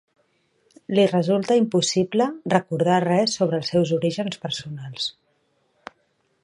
Li resulta impossible recordar res sobre els seus orígens personals.